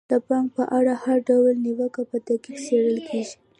د بانک په اړه هر ډول نیوکه په دقت څیړل کیږي.